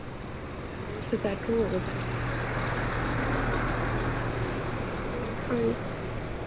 也曾多次在中国国家领导人访港期间抬棺材至会场外抗议。